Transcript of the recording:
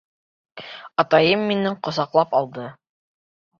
Атайым мине ҡосаҡлап алды.